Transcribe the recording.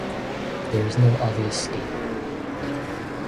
There is no obvious scape.